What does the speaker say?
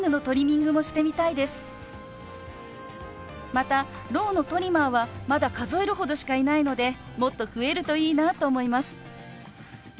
またろうのトリマーはまだ数えるほどしかいないのでもっと増えるといいなと思います。